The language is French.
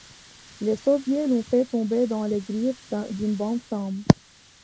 Les Soviets l'ont fait tomber dans les griffes d'une bonne femme.